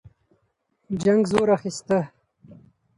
جنګ زور اخیسته.